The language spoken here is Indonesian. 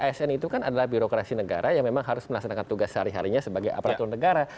asn itu kan adalah birokrasi negara yang memang harus melaksanakan tugas sehari harinya sebagai aparatur negara